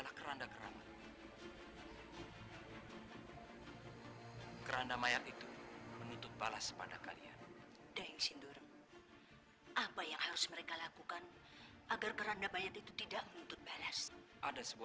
pak bagaimana saya akan tenang kalau nasib anak saya kathy aja belum jelas